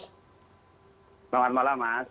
selamat malam mas